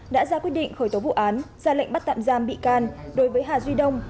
đã ra quyết định khởi tố vụ án ra lệnh bắt tạm giam bị can đối với hà duy đông